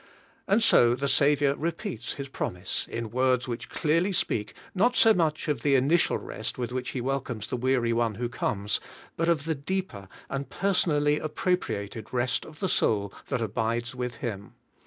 And so the Saviour repeats His promise, in words which clearly speak not so much of the initial rest with which He welcomes the weary one who comes, but of the deeper and personally appropriated rest of the soul that abides with Him.